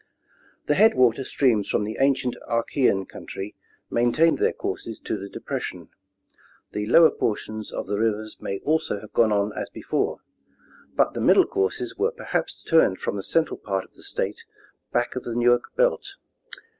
The headwater streams from the ancient Archean country maintained their courses to the depression ; the lower portions of the rivers may also have gone on as before ; but the middle courses were perhaps turned from the central part of the state back of the Newark belt.